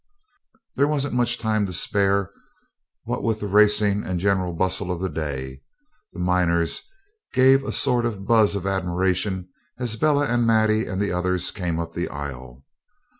There wasn't much time to spare, what with the racing and the general bustle of the day. The miners gave a sort of buzz of admiration as Bella and Maddie and the others came up the aisle.